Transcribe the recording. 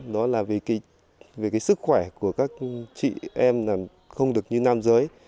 đó là vì cái sức khỏe của các chị em là không được như nam giới